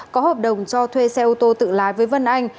có hợp đồng cho thuê xe ô tô tự lái với vân anh